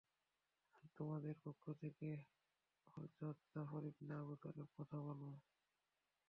আর তোমাদের পক্ষ থেকে হযরত জাফর ইবনে আবু তালেব কথা বলবে।